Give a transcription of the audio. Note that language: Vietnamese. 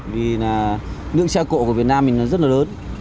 vì là nước xe cổ của việt nam mình nó rất là lớn